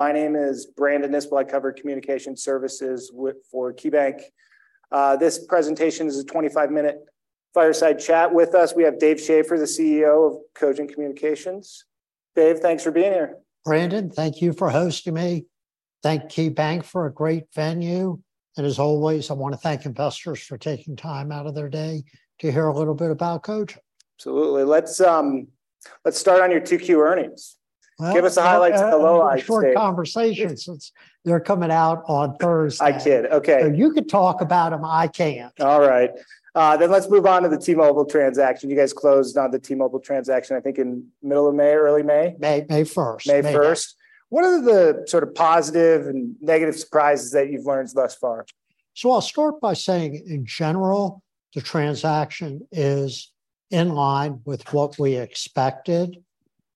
My name is Brandon Nispel. I cover communication services for KeyBanc. This presentation is a 25-minute fireside chat. With us, we have Dave Schaeffer, the CEO of Cogent Communications. Dave, thanks for being here. Brandon, thank you for hosting me. Thank KeyBanc for a great venue, and as always, I want to thank investors for taking time out of their day to hear a little bit about Cogent. Absolutely. Let's, let's start on your 2Q earnings. Well- Give us the highlights, the lowlights, Dave. Short conversation, since they're coming out on Thursday. I kid, okay. You could talk about them, I can't. All right. Let's move on to the T-Mobile transaction. You guys closed on the T-Mobile transaction, I think, in middle of May or early May? May. May first. May first. May first. What are the sort of positive and negative surprises that you've learned thus far? I'll start by saying, in general, the transaction is in line with what we expected.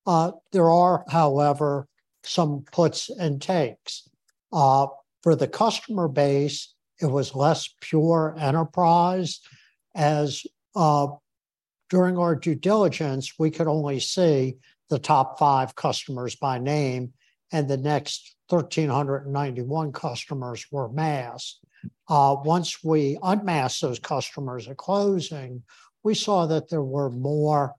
There are, however, some puts and takes. For the customer base, it was less pure enterprise, as during our due diligence, we could only see the top five customers by name, and the next 1,391 customers were masked. Once we unmasked those customers at closing, we saw that there were more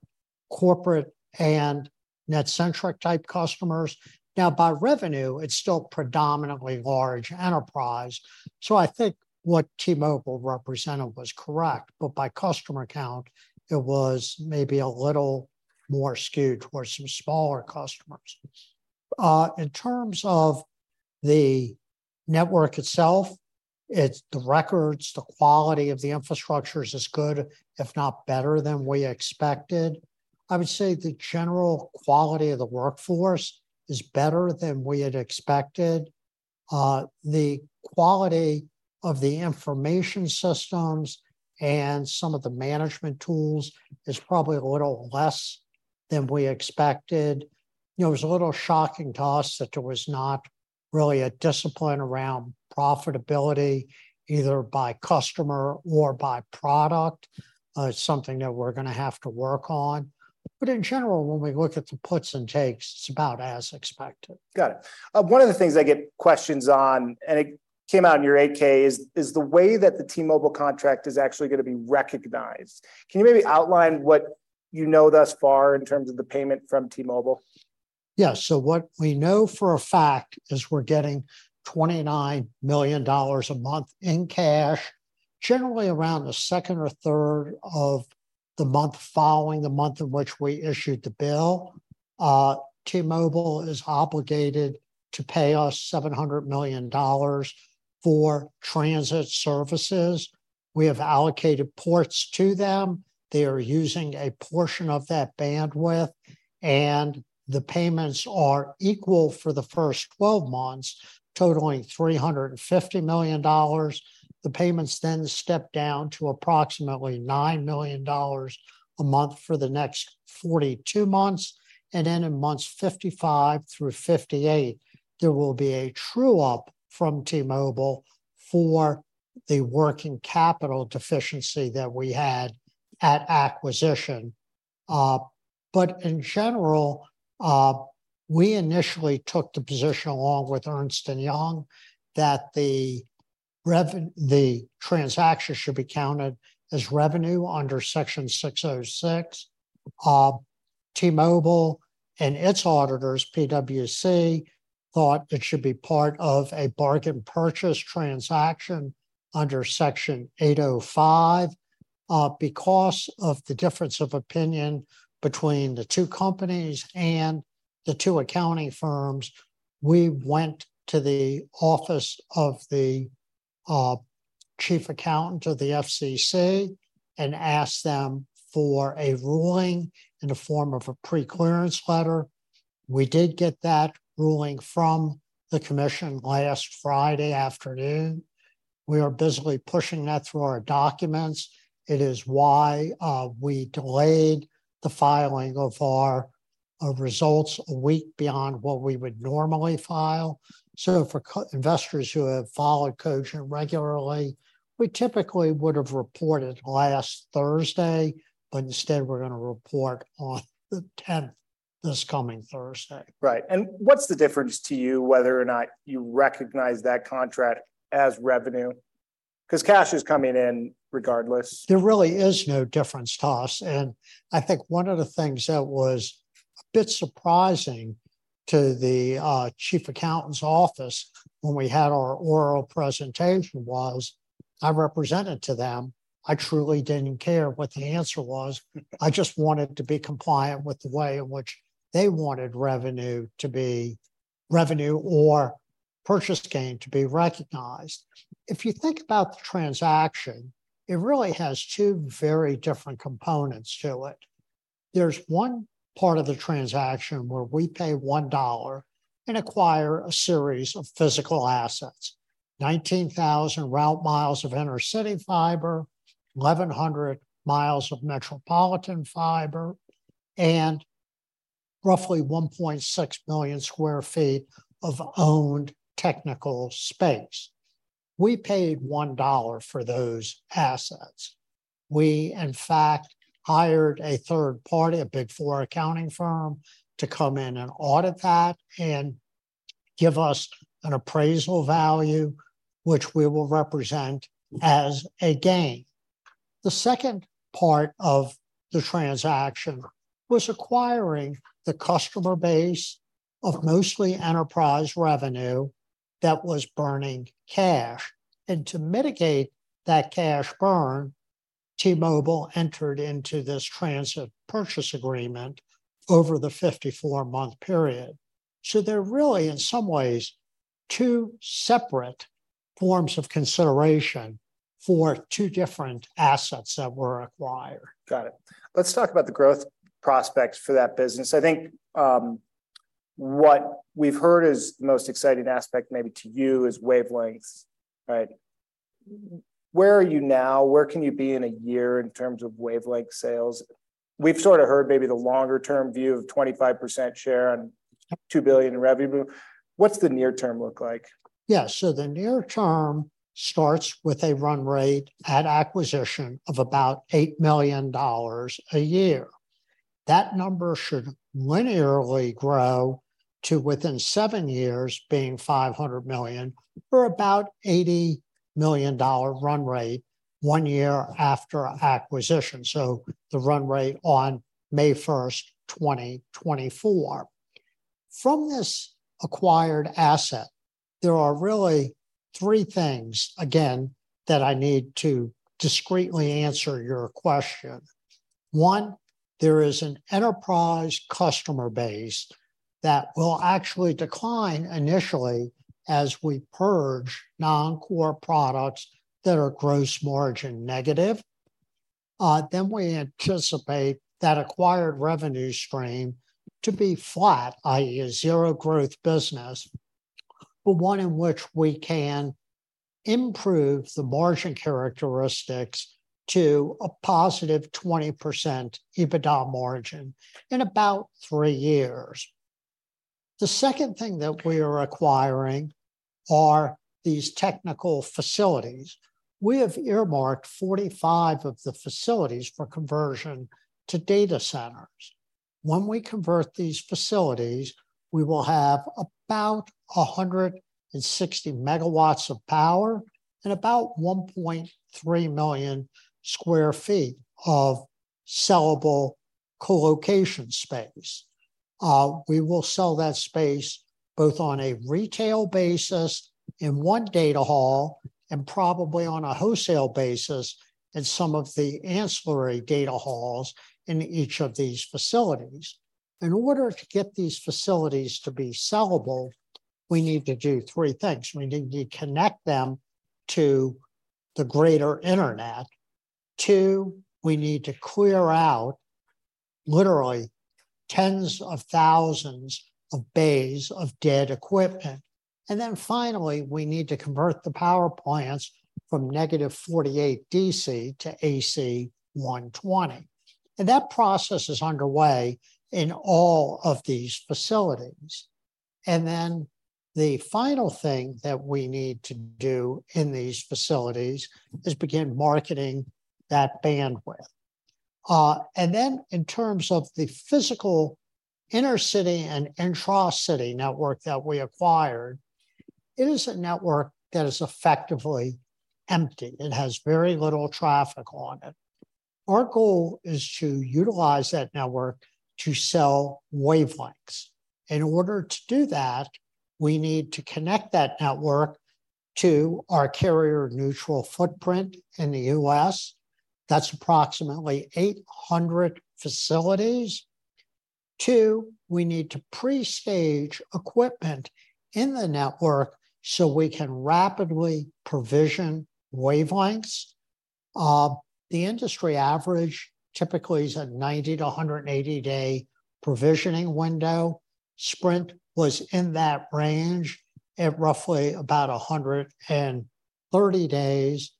corporate and net-centric type customers. Now, by revenue, it's still predominantly large enterprise, so I think what T-Mobile represented was correct, but by customer count, it was maybe a little more skewed towards some smaller customers. In terms of the network itself, it's the records, the quality of the infrastructure is as good, if not better, than we expected. I would say the general quality of the workforce is better than we had expected. The quality of the information systems and some of the management tools is probably a little less than we expected. You know, it was a little shocking to us that there was not really a discipline around profitability, either by customer or by product. It's something that we're gonna have to work on. In general, when we look at the puts and takes, it's about as expected. Got it. One of the things I get questions on, it came out in your 8-K, is, is the way that the T-Mobile contract is actually gonna be recognized. Can you maybe outline what you know thus far in terms of the payment from T-Mobile? Yeah. What we know for a fact is we're getting $29 million a month in cash, generally around the second or third of the month following the month in which we issued the bill. T-Mobile is obligated to pay us $700 million for transit services. We have allocated ports to them. They are using a portion of that bandwidth, and the payments are equal for the first 12 months, totaling $350 million. The payments then step down to approximately $9 million a month for the next 42 months, and then in months 55 through 58, there will be a true up from T-Mobile for the working capital deficiency that we had at acquisition. In general, we initially took the position, along with Ernst & Young, that the transaction should be counted as revenue under Section 606. T-Mobile and its auditors, PwC, thought it should be part of a bargain purchase transaction under Section 805. Because of the difference of opinion between the two companies and the two accounting firms, we went to the office of the chief accountant of the SEC and asked them for a ruling in the form of a pre-clearance letter. We did get that ruling from the Commission last Friday afternoon. We are busily pushing that through our documents. It is why we delayed the filing of our, our results a week beyond what we would normally file. For co-investors who have followed Cogent regularly, we typically would have reported last Thursday, but instead, we're gonna report on the 10th, this coming Thursday. Right. What's the difference to you, whether or not you recognize that contract as revenue? 'Cause cash is coming in regardless. There really is no difference to us, and I think one of the things that was a bit surprising to the chief accountant's office when we had our oral presentation was, I represented to them, I truly didn't care what the answer was. I just wanted to be compliant with the way in which they wanted revenue to be, revenue or purchase gain to be recognized. If you think about the transaction, it really has two very different components to it. There's one part of the transaction where we pay $1 and acquire a series of physical assets, 19,000 route miles of inner-city fiber, 1,100 miles of metropolitan fiber, and roughly 1.6 million sq ft of owned technical space.... We paid $1 for those assets. We, in fact, hired a third party, a Big Four accounting firm, to come in and audit that and give us an appraisal value, which we will represent as a gain. The second part of the transaction was acquiring the customer base of mostly enterprise revenue that was burning cash, and to mitigate that cash burn, T-Mobile entered into this transit purchase agreement over the 54-month period. They're really, in some ways, two separate forms of consideration for two different assets that were acquired. Got it. Let's talk about the growth prospects for that business. I think, what we've heard is the most exciting aspect, maybe to you, is wavelengths, right? Where are you now? Where can you be in a year in terms of wavelength sales? We've sort of heard maybe the longer-term view of 25% share and $2 billion in revenue. What's the near term look like? Yeah, the near term starts with a run rate at acquisition of about $8 million a year. That number should linearly grow to within seven years, being $500 million, or about $80 million run rate one year after acquisition, so the run rate on May 1st, 2024. From this acquired asset, there are really three things, again, that I need to discreetly answer your question. one, there is an enterprise customer base that will actually decline initially as we purge non-core products that are gross margin negative. Then we anticipate that acquired revenue stream to be flat, i.e., a zero-growth business, but one in which we can improve the margin characteristics to a positive 20% EBITDA margin in about three years. The second thing that we are acquiring are these technical facilities. We have earmarked 45 of the facilities for conversion to data centers. When we convert these facilities, we will have about 160 MW of power and about 1.3 million square feet of sellable colocation space. We will sell that space both on a retail basis in one data hall and probably on a wholesale basis in some of the ancillary data halls in each of these facilities. In order to get these facilities to be sellable, we need to do three things. We need to connect them to the greater Internet. Two, we need to clear out literally tens of thousands of bays of dead equipment. Finally, we need to convert the power plants from negative 48 DC to AC 120. That process is underway in all of these facilities. The final thing that we need to do in these facilities is begin marketing that bandwidth. In terms of the physical inner-city and intra-city network that we acquired, it is a network that is effectively empty. It has very little traffic on it. Our goal is to utilize that network to sell wavelengths. In order to do that, we need to connect that network to our carrier-neutral footprint in the U.S.. That's approximately 800 facilities. Two, we need to pre-stage equipment in the network so we can rapidly provision wavelengths. The industry average typically is a 90-180-day provisioning window. Sprint was in that range at roughly about 130 days.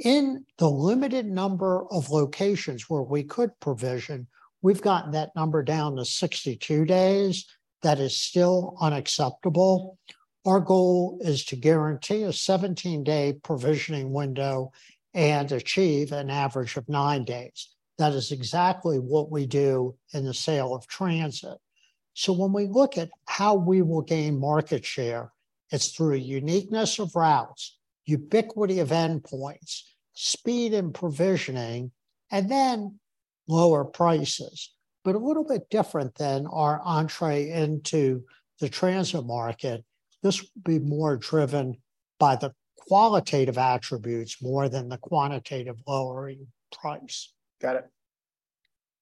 In the limited number of locations where we could provision, we've gotten that number down to 62 days. That is still unacceptable. Our goal is to guarantee a 17-day provisioning window and achieve an average of nine days. That is exactly what we do in the sale of transit. When we look at how we will gain market share, it's through a uniqueness of routes, ubiquity of endpoints, speed and provisioning, and then lower prices. A little bit different than our entree into the transit market, this will be more driven by the qualitative attributes more than the quantitative lowering price. Got it.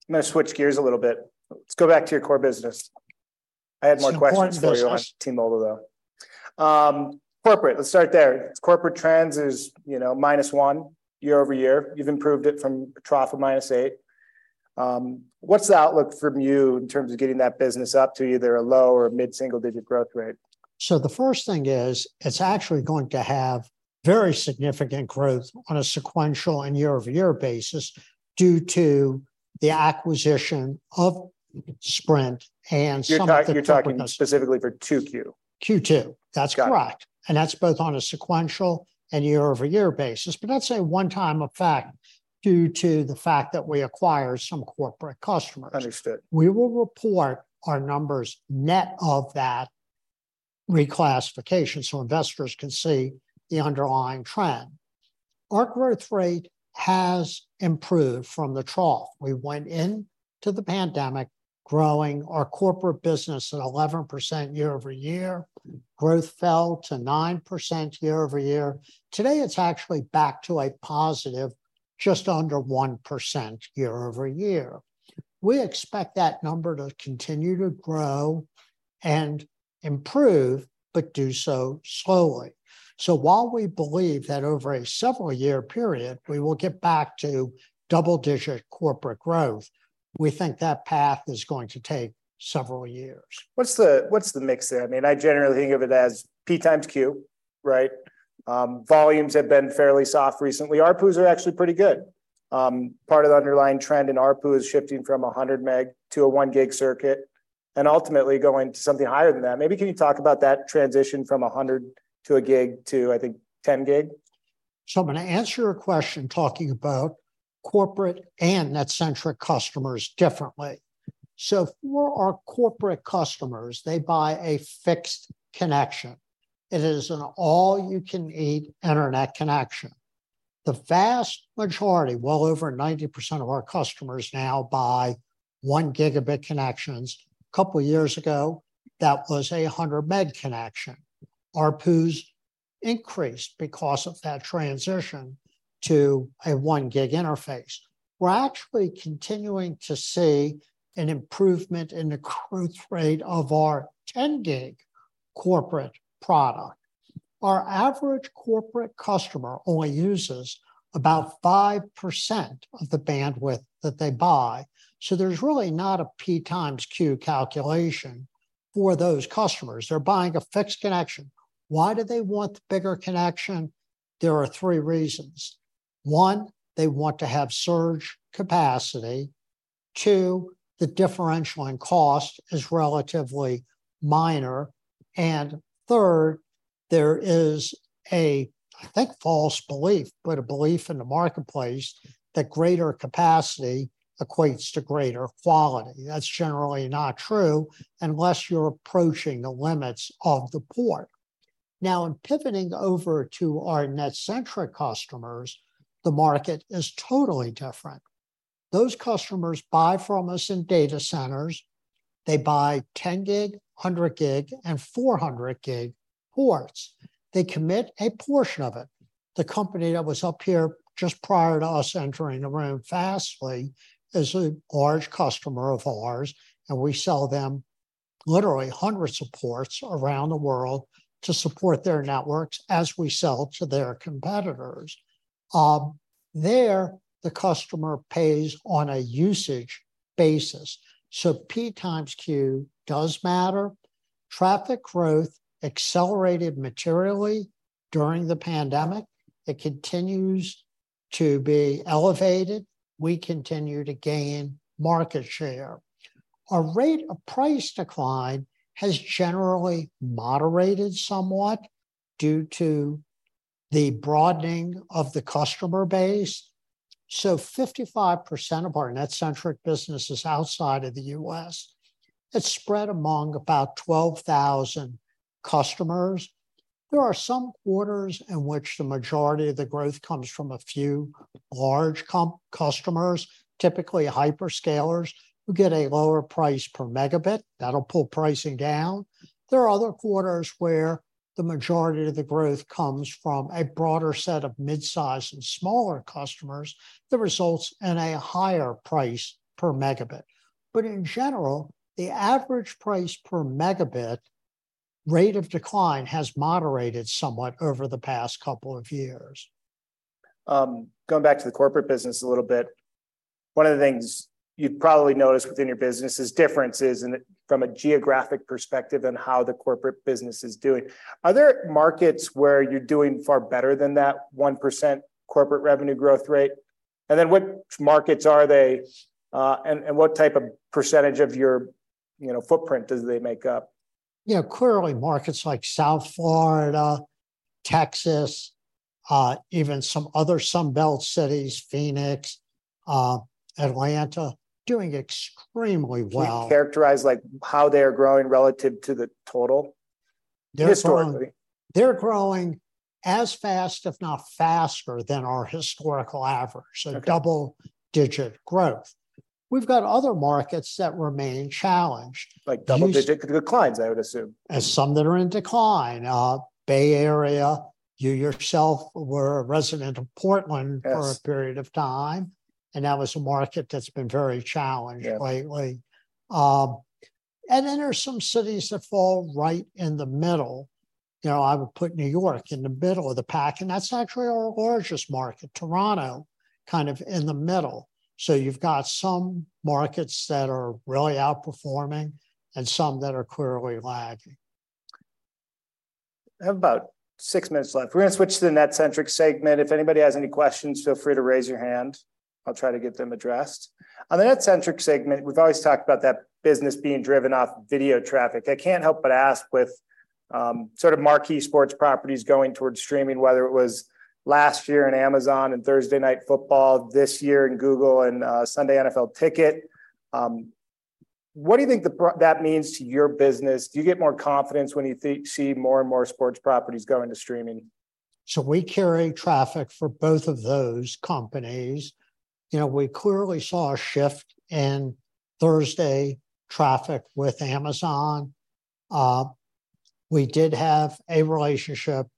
I'm going to switch gears a little bit. Let's go back to your core business. Sequential business- I had more questions for you on T-Mobile, though. Corporate, let's start there. Corporate trends is, you know, -1% year-over-year. You've improved it from a trough of -8%. What's the outlook from you in terms of getting that business up to either a low or a mid-single-digit growth rate? The first thing is, it's actually going to have very significant growth on a sequential and year-over-year basis due to- the acquisition of Sprint and something-. You're talking, you're talking specifically for 2Q? Q2, that's correct. Got it. That's both on a sequential and year-over-year basis. That's a one-time effect due to the fact that we acquired some corporate customers. Understood. We will report our numbers net of that reclassification, investors can see the underlying trend. Our growth rate has improved from the trough. We went into the pandemic growing our corporate business at 11% year-over-year. Growth fell to 9% year-over-year. Today, it's actually back to a positive, just under 1% year-over-year. We expect that number to continue to grow and improve, but do so slowly. While we believe that over a several-year period, we will get back to double-digit corporate growth, we think that path is going to take several years. What's the, what's the mix there? I mean, I generally think of it as P times Q, right? volumes have been fairly soft recently. ARPUs are actually pretty good. part of the underlying trend in ARPU is shifting from a 100 meg to a one gig circuit, and ultimately, going to something higher than that. Maybe can you talk about that transition from a 100 to a gig to, I think, 10 gig? I'm gonna answer your question talking about corporate and net-centric customers differently. For our corporate customers, they buy a fixed connection. It is an all-you-can-eat internet connection. The vast majority, well over 90% of our customers now, buy 1 Gb connections. two years ago, that was a 100 meg connection. ARPUs increased because of that transition to a one gig interface. We're actually continuing to see an improvement in the growth rate of our 10 gig corporate product. Our average corporate customer only uses about 5% of the bandwidth that they buy, so there's really not a P times Q calculation for those customers. They're buying a fixed connection. Why do they want the bigger connection? There are three reasons: one, they want to have surge capacity; two, the differential in cost is relatively minor; and third, there is a, I think, false belief, but a belief in the marketplace, that greater capacity equates to greater quality. That's generally not true, unless you're approaching the limits of the port. Now, in pivoting over to our net-centric customers, the market is totally different. Those customers buy from us in data centers. They buy 10 gig, 100 gig, and 400 gig ports. They commit a portion of it. The company that was up here just prior to us entering the room, Fastly, is a large customer of ours, and we sell them literally hundreds of ports around the world to support their networks as we sell to their competitors. There, the customer pays on a usage basis, so P times Q does matter. Traffic growth accelerated materially during the pandemic. It continues to be elevated. We continue to gain market share. Our rate of price decline has generally moderated somewhat due to the broadening of the customer base. Fifty-five percent of our net-centric business is outside of the U.S. It's spread among about 12,000 customers. There are some quarters in which the majority of the growth comes from a few large customers, typically hyperscalers, who get a lower price per megabit. That'll pull pricing down. There are other quarters where the majority of the growth comes from a broader set of midsize and smaller customers that results in a higher price per megabit. In general, the average price per megabit rate of decline has moderated somewhat over the past couple of years. Going back to the corporate business a little bit, one of the things you've probably noticed within your business is differences in it from a geographic perspective in how the corporate business is doing. Are there markets where you're doing far better than that 1% corporate revenue growth rate? Then, what markets are they, and what type of percentage of your, you know, footprint do they make up? You know, clearly markets like South Florida, Texas, even some other Sun Belt cities, Phoenix, Atlanta, doing extremely well. Can you characterize, like, how they are growing relative to the total- They're growing- -historically? They're growing as fast, if not faster, than our historical average. Okay Double-digit growth. We've got other markets that remain challenged. Like double-digit declines, I would assume. Some that are in decline. Bay Area, you yourself were a resident of Portland. Yes... for a period of time, and that was a market that's been very challenged... Yes... lately. Then there are some cities that fall right in the middle. You know, I would put New York in the middle of the pack, and that's actually a gorgeous market. Toronto, kind of in the middle. You've got some markets that are really outperforming and some that are clearly lagging.... I have about six minutes left. We're gonna switch to the net-centric segment. If anybody has any questions, feel free to raise your hand. I'll try to get them addressed. On the net-centric segment, we've always talked about that business being driven off video traffic. I can't help but ask, with, sort of marquee sports properties going towards streaming, whether it was last year in Amazon and Thursday Night Football, this year in Google and NFL Sunday Ticket, what do you think that means to your business? Do you get more confidence when you see more and more sports properties go into streaming? We carry traffic for both of those companies. You know, we clearly saw a shift in Thursday traffic with Amazon. We did have a relationship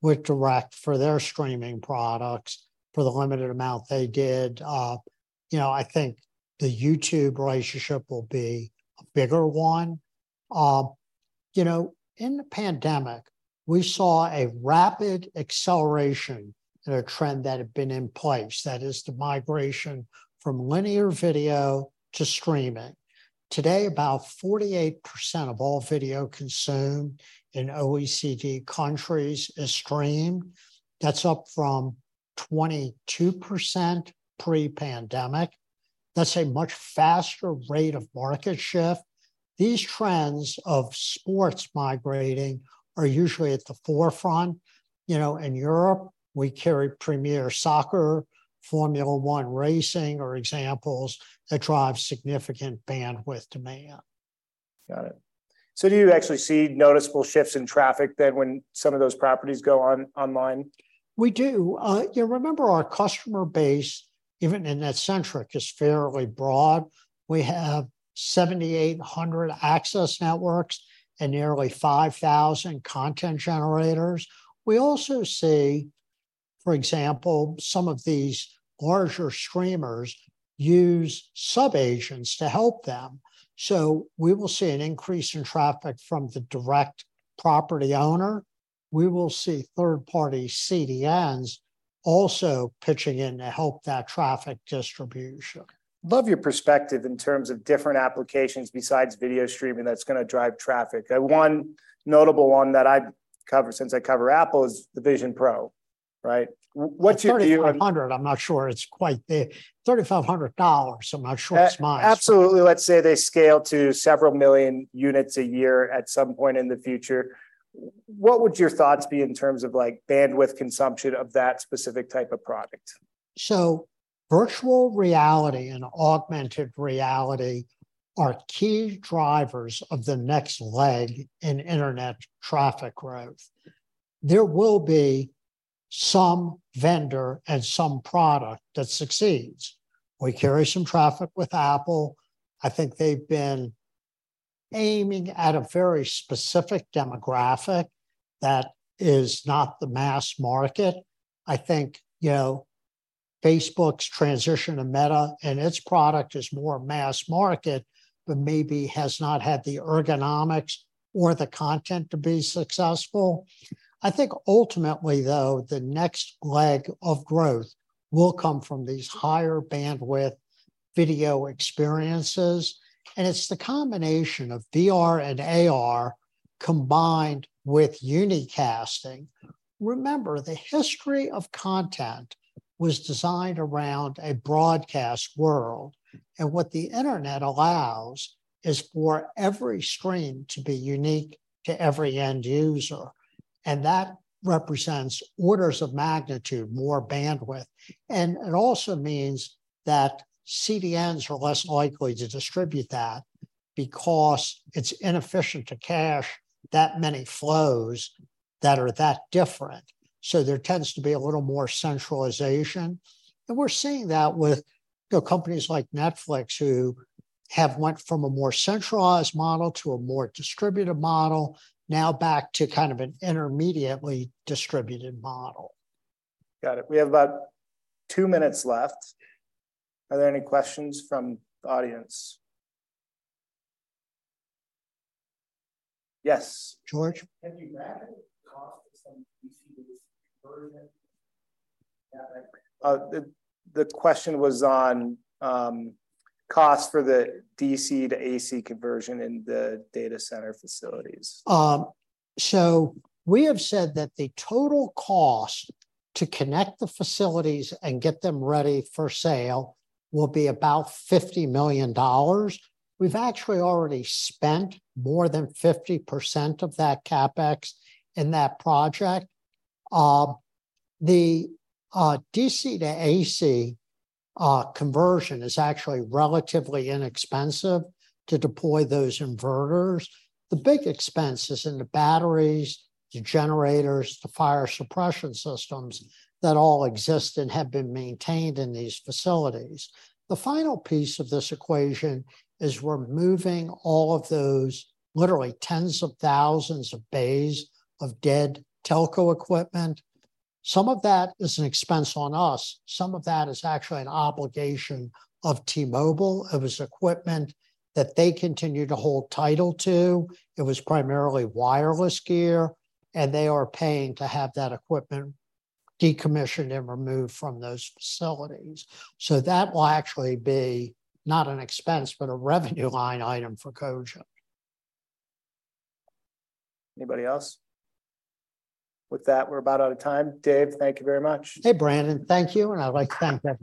with DIRECTV for their streaming products, for the limited amount they did. You know, I think the YouTube relationship will be a bigger one. You know, in the pandemic, we saw a rapid acceleration in a trend that had been in place, that is the migration from linear video to streaming. Today, about 48% of all video consumed in OECD countries is streamed. That's up from 22% pre-pandemic. That's a much faster rate of market shift. These trends of sports migrating are usually at the forefront. You know, in Europe, we carry Premier League Soccer, Formula One racing, are examples that drive significant bandwidth demand. Got it. Do you actually see noticeable shifts in traffic then, when some of those properties go online? We do. You remember, our customer base, even in net-centric, is fairly broad. We have 7,800 access networks and nearly 5,000 content generators. We also see, for example, some of these larger streamers use sub-agents to help them. We will see an increase in traffic from the direct property owner. We will see third-party CDNs also pitching in to help that traffic distribution. Love your perspective in terms of different applications besides video streaming that's gonna drive traffic. One notable one that I've covered since I cover Apple, is the Vision Pro, right? What's your view- 3,500, I'm not sure it's quite there. $3,500, I'm not sure it's mine. Absolutely. Let's say they scale to several million units a year at some point in the future. What would your thoughts be in terms of, like, bandwidth consumption of that specific type of product? Virtual reality and augmented reality are key drivers of the next leg in internet traffic growth. There will be some vendor and some product that succeeds. We carry some traffic with Apple. I think they've been aiming at a very specific demographic that is not the mass market. I think, you know, Facebook's transition to Meta and its product is more mass market, but maybe has not had the ergonomics or the content to be successful. I think ultimately, though, the next leg of growth will come from these higher bandwidth video experiences, and it's the combination of VR and AR, combined with unicasting. Remember, the history of content was designed around a broadcast world, and what the internet allows is for every stream to be unique to every end user, and that represents orders of magnitude, more bandwidth. It also means that CDNs are less likely to distribute that, because it's inefficient to cache that many flows that are that different. There tends to be a little more centralization. We're seeing that with, you know, companies like Netflix, who have went from a more centralized model to a more distributed model, now back to kind of an intermediately distributed model. Got it. We have about two minutes left. Are there any questions from the audience? Yes, George? Can you imagine the cost of some DC to AC conversion? Yeah, like the question was on cost for the DC to AC conversion in the data center facilities. We have said that the total cost to connect the facilities and get them ready for sale will be about $50 million. We've actually already spent more than 50% of that CapEx in that project. The DC to AC conversion is actually relatively inexpensive to deploy those inverters. The big expense is in the batteries, the generators, the fire suppression systems that all exist and have been maintained in these facilities. The final piece of this equation is removing all of those literally tens of thousands of bays of dead telco equipment. Some of that is an expense on us. Some of that is actually an obligation of T-Mobile. It was equipment that they continued to hold title to. It was primarily wireless gear, and they are paying to have that equipment decommissioned and removed from those facilities. That will actually be not an expense, but a revenue line item for Cogent. Anybody else? With that, we're about out of time. Dave, thank you very much. Hey, Brandon, thank you, and I'd like to thank every.